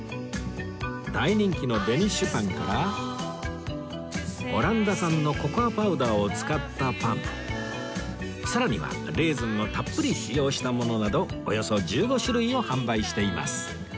大人気のデニッシュパンからオランダ産のココアパウダーを使ったパンさらにはレーズンをたっぷり使用したものなどおよそ１５種類を販売しています